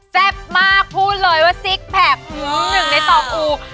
แซ่บมากพูดเลยว่าซิกแพค๑ใน๒อู